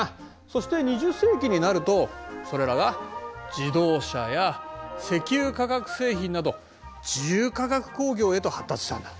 そして２０世紀になるとそれらが自動車や石油化学製品など重化学工業へと発達したんだ。